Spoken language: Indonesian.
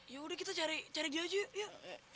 yaudah kita cari cari dia aja yuk